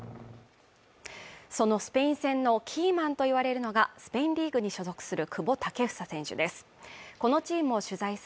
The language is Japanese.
そのスペイン戦のキーマンといわれるのがスペインリーグに所属する久保建英選手です